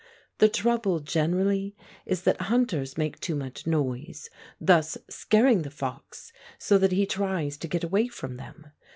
The trouble generally is that hunters make too much noise, thus scaring the fox so that he tries to get away from them.